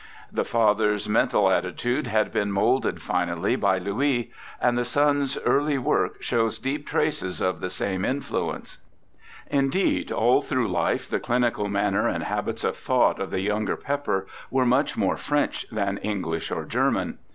The father's mental attitude had been moulded finally by Louis, and the son's early work shows deep traces of the same in fluence. Indeed, all through life the clinical manner and habits of thought of the younger Pepper were much more French than English or German.